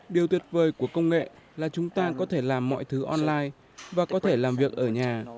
điều tuyệt vời của công nghệ là chúng ta có thể làm mọi thứ online và có thể làm việc ở nhà